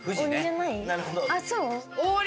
あっそう？